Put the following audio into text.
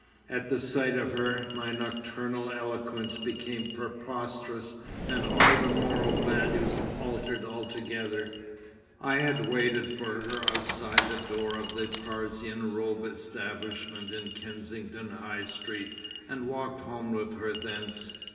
At the sight of her my nocturnal eloquence became preposterous and all the moral values altered altogether. I had waited for her outside the door of the Parsian robe establishment in Kensington High Street and walked home with her thence.